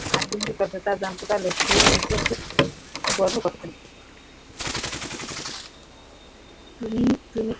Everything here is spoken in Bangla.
আর তুমি কী করছ তা জানতে পারলে সে নিশ্চয়ই খুব গর্ব করতো।